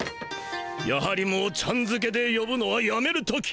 やはりもうちゃんづけでよぶのはやめる時。